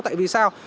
tại vì sao